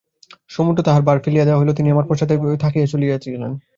সমুদয় ভার তাঁহার উপর ফেলিয়া দেওয়া ভাল, তিনি আমার পশ্চাতে থাকিয়া আমাকে চালাইতেছেন।